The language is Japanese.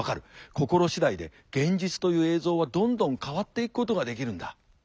心次第で現実という映像はどんどん変わっていくことができるんだ。